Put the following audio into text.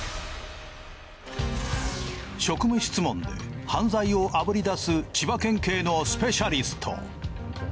職務質問で犯罪をあぶり出す千葉県警のスペシャリスト。